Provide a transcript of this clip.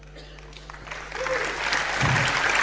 pelajaran yang bagus